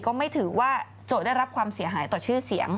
ก็ไม่ถือว่าโจทย์ได้รับความเสียหายต่อชื่อเสียง